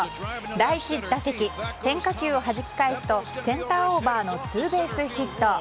第１打席、変化球を弾き返すとセンターオーバーのツーベースヒット。